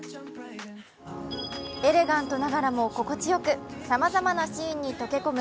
エレガントながらも心地よくさまざまなシーンに溶け込む